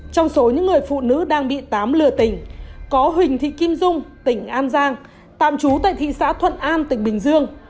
trong số những người phụ nữ đang bị tám lừa tỉnh có huỳnh thị kim dung tỉnh an giang tạm trú tại thị xã thuận an tỉnh bình dương